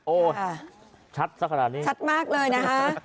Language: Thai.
ชัดสักขนาดนี้ชัดมากเลยนะคะ